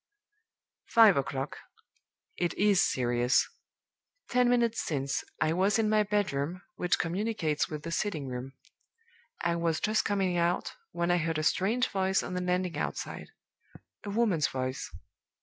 "Five o'clock. It is serious. Ten minutes since, I was in my bedroom, which communicates with the sitting room. I was just coming out, when I heard a strange voice on the landing outside a woman's voice.